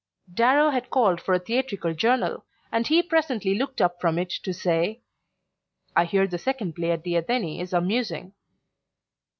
Darrow had called for a theatrical journal, and he presently looked up from it to say: "I hear the second play at the Athenee is amusing."